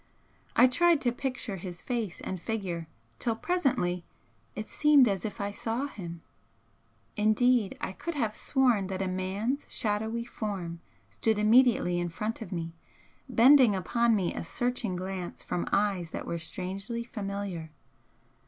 I tried to picture his face and figure till presently it seemed as if I saw him, indeed I could have sworn that a man's shadowy form stood immediately in front of me, bending upon me a searching glance from eyes that were strangely familiar.